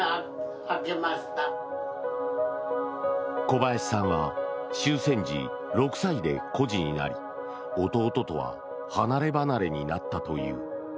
小林さんは終戦時６歳で孤児になり弟とは離れ離れになったという。